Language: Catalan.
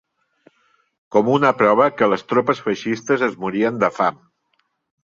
Com una prova que les tropes feixistes es morien de fam.